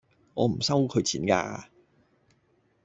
我唔收佢錢架